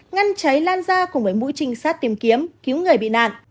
ngăn cháy lan ra cùng với mũi trinh sát tìm kiếm cứu người bị nạn